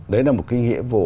đấy là một cái hiệp vụ